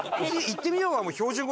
「行ってみよう」？